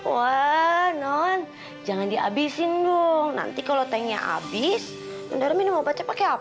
wah nond jangan diabisin dong nanti kalo tengnya abis nondara minum obatnya pakai apa dong